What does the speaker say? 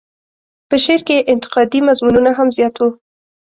په شعر کې یې انتقادي مضمونونه هم زیات وو.